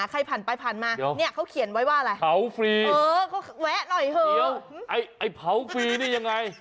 ใครผ่านไปผ่านมาเนี่ยเขาเขียนไว้ว่าอะไรเผาฟรีเออเขาแวะหน่อยเถอะเดี๋ยวไอ้เผาฟรีนี่ยังไง